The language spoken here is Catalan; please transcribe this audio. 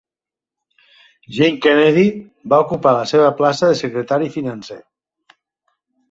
Jane Kennedy va ocupar la seva plaça de secretari financer.